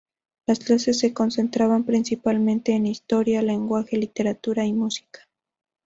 Las clases se concentraban principalmente en historia, lenguaje, literatura y música.